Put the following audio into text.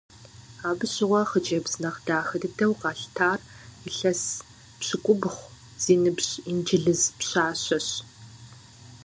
Абы щыгъуэ хъыджэбз нэхъ дахэ дыдэу къалъытар илъэс пщыкӏубгъу зи ныбжь инджылыз пщащэщ.